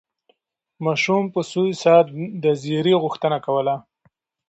ماشوم په سوې ساه د زېري غوښتنه کوله.